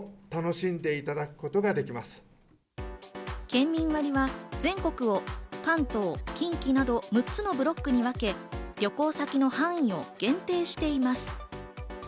県民割は全国を関東、近畿など６つのブロックに分け、旅行先の範囲を限定しています。